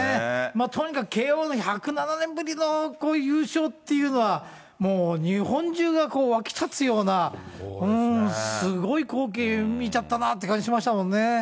とにかく慶応の１０７年ぶりのこういう優勝っていうのは、もう日本中が沸き立つような、すごい光景見ちゃったなって感じしましたもんね。